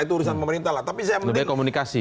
itu urusan pemerintah lah tapi saya penting komunikasi